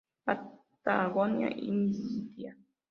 Patagonia India".